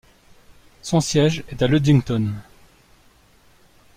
Son siège est à Ludington.